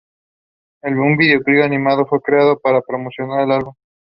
I just wanted to be content.